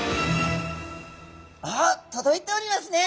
あっ届いておりますね！